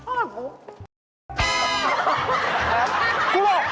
โอ๊ย